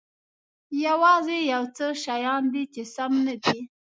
یوازې یو څه شیان دي چې سم نه دي.